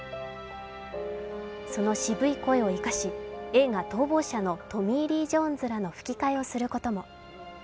その渋い声を生かし映画「逃亡者」のトミー・リー・ジョーンズさんの吹き替えをすることも。